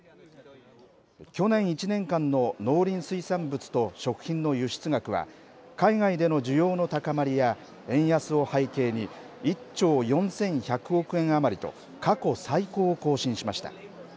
去年１年間の農林水産物と食品の輸出額は、海外での需要の高まりや、円安を背景に、１兆４１００億円余りと、過去最高を更新しました。